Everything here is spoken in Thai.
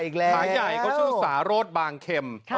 ขายใหญ่ก็ชื่อสารโรศบังเค็ม